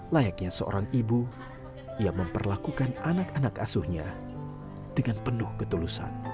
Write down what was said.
layaknya seorang ibu ia memperlakukan anak anak asuhnya dengan penuh ketulusan